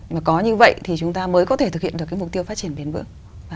mà có như vậy thì chúng ta mới có thể thực hiện được cái mục tiêu phát triển bền vững